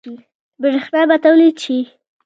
برښنا به تولید شي؟